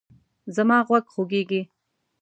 زما غوږ خوږیږي